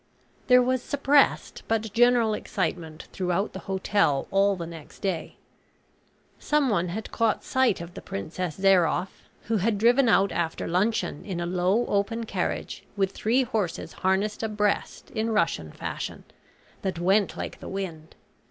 There was suppressed but general excitement throughout the hotel all the next day. Someone had caught sight of the Princess Zairoff, who had driven out after luncheon in a low open carriage with three horses harnessed abreast in Russian fashion, that went like the wind.